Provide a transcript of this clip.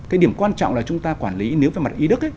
cái điểm quan trọng là chúng ta quản lý nếu phải mặt ý đức